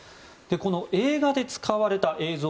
この映画で使われた映像